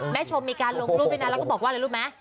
ชมมีการลงรูปด้วยนะแล้วก็บอกว่าอะไรรู้ไหม